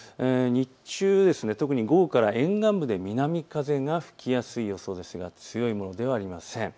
日中、特に午後から沿岸部で南風が吹きやすい予想ですが強いものではありません。